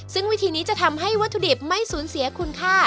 ซึ่งวิธีนี้จะทำให้วัตถุดิบไม่สูญเสียคุณค่า